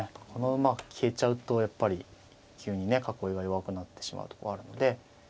この馬消えちゃうとやっぱり急にね囲いが弱くなってしまうとこあるので。